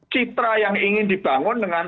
citra yang ingin dibangun dengan